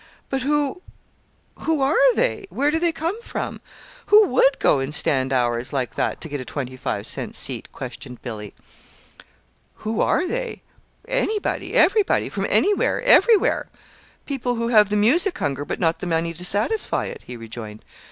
"But who who are they? Where do they come from? Who would go and stand hours like that to get a twenty five cent seat?" questioned Billy. "Who are they? Anybody, everybody, from anywhere? everywhere; people who have the music hunger but not the money to satisfy it," he rejoined.